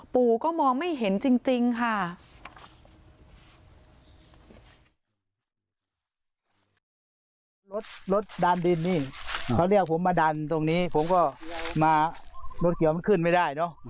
ปู่ก็มองไม่เห็นจริงค่ะ